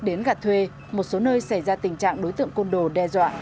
khi đến gặt thuê một số nơi xảy ra tình trạng đối tượng côn đồ đe dọa